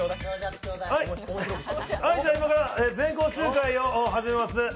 今から全校集会を始めます。